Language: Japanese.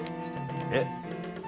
えっ？